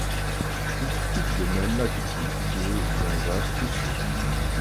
Il critique de même l’attitude de Jean-Jacques Rousseau.